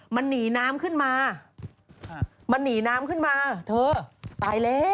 มันหนีน้ำขึ้นมามันหนีน้ำขึ้นมาเธอตายแล้ว